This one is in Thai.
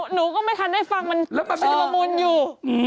หนูก็ไม่ทันได้ฟังมันละมุนอยู่